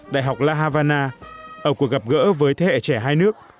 đại học la havana ở cuộc gặp gỡ với thế hệ trẻ hai nước